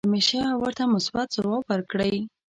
همیشه ورته مثبت ځواب ورکړئ .